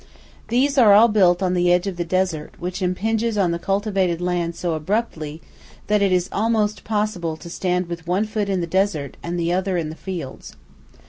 These are all built on the edge of the desert, which impinges on the cultivated land so abruptly that it is almost possible to stand with one foot in the desert and the other in the fields.